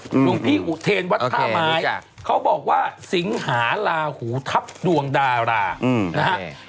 หลวงพี่อุเทนวัดท่าไม้เขาบอกว่าสิงหาลาหูทับดวงดารานะฮะ